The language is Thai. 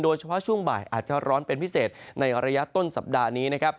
โดยเฉพาะช่วงบ่ายอาจจะร้อนเป็นพิเศษในระยะต้นสัปดาห์นี้